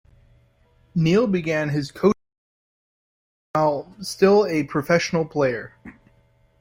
Neale began his coaching career while still a professional player.